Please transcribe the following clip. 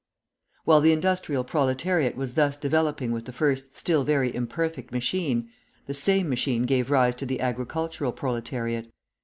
While the industrial proletariat was thus developing with the first still very imperfect machine, the same machine gave rise to the agricultural proletariat.